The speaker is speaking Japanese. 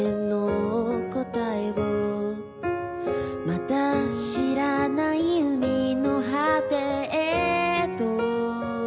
「まだ知らない海の果てへと」